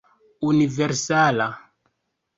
universala